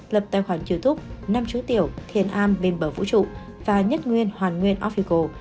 lập tài khoản youtube năm chú tiểu thiền am bên bờ vũ trụ và nhất nguyên hoàn nguyên official